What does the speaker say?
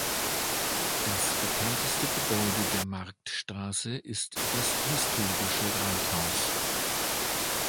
Das bekannteste Gebäude der Marktstraße ist das historische Rathaus.